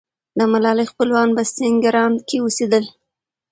د ملالۍ خپلوان په سینګران کې اوسېدل.